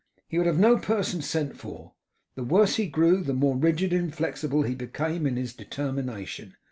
He would have no person sent for. The worse he grew, the more rigid and inflexible he became in his determination.